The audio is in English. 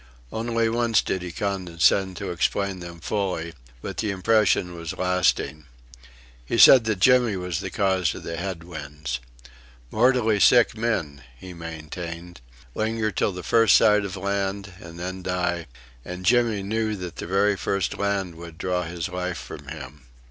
Only once did he condescend to explain them fully, but the impression was lasting. He said that Jimmy was the cause of head winds. Mortally sick men he maintained linger till the first sight of land, and then die; and Jimmy knew that the very first land would draw his life from him.